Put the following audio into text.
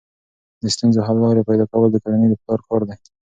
د ستونزو حل لارې پیدا کول د کورنۍ د پلار کار دی.